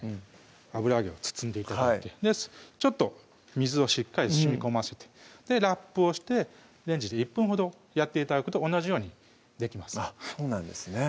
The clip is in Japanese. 油揚げを包んで頂いて水をしっかりしみこませてラップをしてレンジで１分ほどやって頂くと同じようにできますそうなんですね